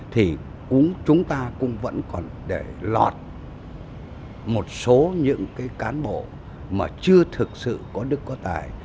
thì chúng ta cũng vẫn còn để lọt một số những cái cán bộ mà chưa thực sự có đức có tài